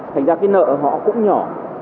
thành ra cái nợ họ cũng nhỏ